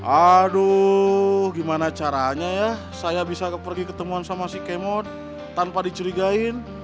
aduh gimana caranya ya saya bisa pergi ketemuan sama si kemo tanpa dicurigain